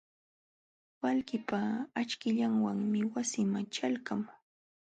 Waklipa akchillanwanmi wasiiman ćhalqamuu.